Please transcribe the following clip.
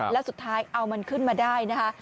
แล้วสุดท้ายเอามันขึ้นมาได้นะคะ